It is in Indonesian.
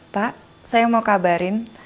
pak saya mau kabarin